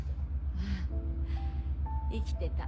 あっ生きてた。